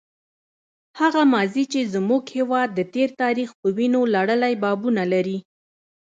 هغه ماضي چې زموږ هېواد د تېر تاریخ په وینو لړلي بابونه لري.